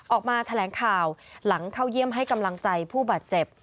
ออกมาแถลงข่าวหลังเข้าเยี่ยมให้กำลังใจผู้บาดเจ็บ